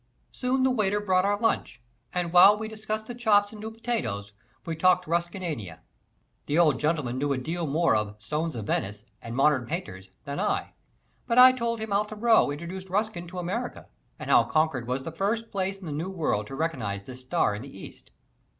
Soon the waiter brought our lunch, and while we discussed the chops and new potatoes we talked Ruskiniana. The old gentleman knew a deal more of "Stones of Venice" and "Modern Painters" than I; but I told him how Thoreau introduced Ruskin to America and how Concord was the first place in the New World to recognize this star in the East.